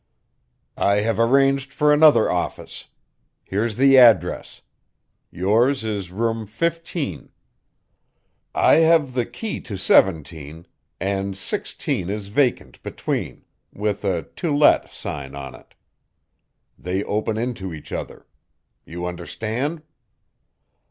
"I have arranged for another office. Here's the address. Yours is Room 15. I have the key to 17, and 16 is vacant between with a 'To Let' sign on it. They open into each other. You understand?"